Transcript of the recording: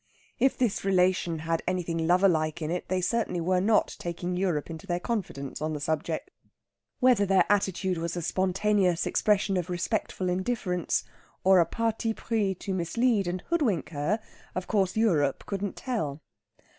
If this relation had anything lover like in it, they certainly were not taking Europe into their confidence on the subject. Whether their attitude was a spontaneous expression of respectful indifference, or a parti pris to mislead and hoodwink her, of course Europe couldn't tell.